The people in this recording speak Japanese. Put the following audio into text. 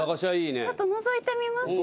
ちょっとのぞいてみますか？